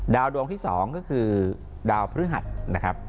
ดวงที่๒ก็คือดาวพฤหัสนะครับ